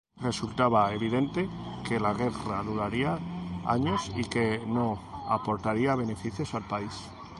Resultaba evidente que la guerra duraría años y que no aportaría beneficios al país.